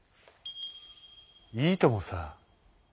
「いいともさ」。